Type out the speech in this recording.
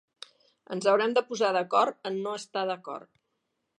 Ens haurem de posar d'acord en no estar d'acord